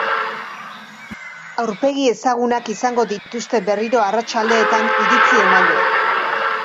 Aurpegi ezagunak izango dituzte berriro arratsaldeetan iritzi emaile.